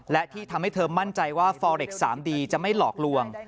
และที่ทำให้เธอมั่นใจว่าฟอเล็ก๓ดีจะไม่หลอกลวง